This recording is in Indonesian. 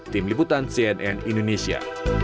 tim liputan cnn indonesia